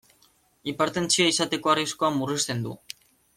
Hipertentsioa izateko arriskua murrizten du.